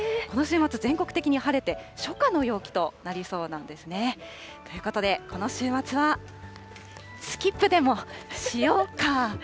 この週末、全国的に晴れて、初夏の陽気となりそうなんですね。ということで、この週末は、スキップでもしようか。